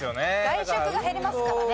外食が減りますからね。